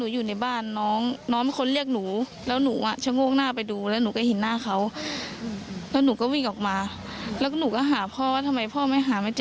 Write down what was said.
ยิงวนไปแล้วหนูก็เลยเรียกพี่ว่า